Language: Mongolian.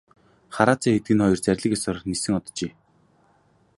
Хараацай хэдгэнэ хоёр зарлиг ёсоор нисэн оджээ.